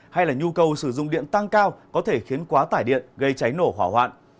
hay là nhu cầu sử dụng điện tăng cao có thể khiến quá tải điện gây cháy nổ hỏa hoạn